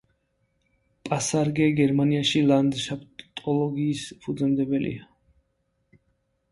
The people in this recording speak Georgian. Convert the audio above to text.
პასარგე გერმანიაში ლანდშაფტოლოგიის ფუძემდებელია.